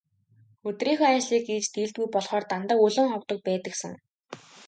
Өдрийнхөө ажлыг хийж дийлдэггүй болохоор дандаа өлөн ховдог байдагсан.